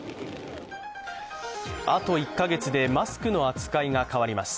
あと１か月でマスクの扱いが変わります。